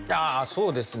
そうですね